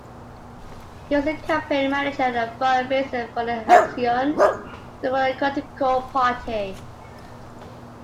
He was the campaign manager and fund raiser for the Aksyon Demokratiko Party.